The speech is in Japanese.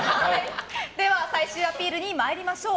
では、最終アピールに参りましょう。